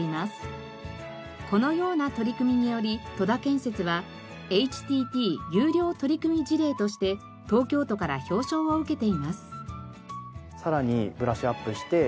このような取り組みにより戸田建設はＨＴＴ優良取組事例として東京都から表彰を受けています。